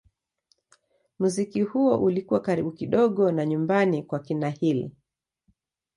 Muziki huo ulikuwa karibu kidogo na nyumbani kwa kina Hill.